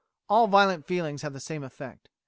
All violent feelings have the same effect.